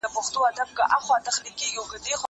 زه به اوږده موده د لوبو لپاره وخت نيولی وم!!